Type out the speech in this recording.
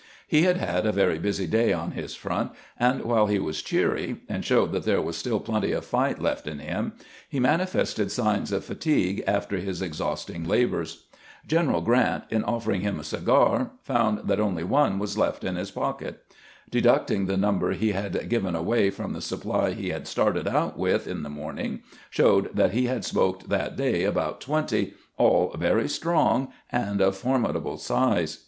He had had a very busy day on his front, and while he was cheery, and showed that there was still plenty of fight left in him, he manifested signs of fatigue after his exhausting labors. General Grant, in offering him a cigar, found that only one was left in his pocket. Deducting the number he had given away from the sup ply he had started out with in the morning showed that he had smoked that day about twenty, all very strong and of formidable size.